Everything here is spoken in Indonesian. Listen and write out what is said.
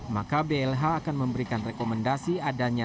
maka blh akan memberikan rekomendasi adanya